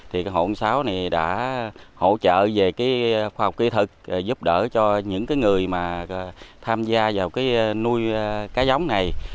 thì hộ ông sáu đã hỗ trợ về khoa học kỹ thực giúp đỡ cho những người tham gia vào nuôi cá giống này